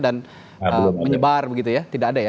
dan menyebar begitu ya tidak ada ya